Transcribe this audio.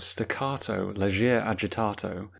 Staccato! Leggier agitato!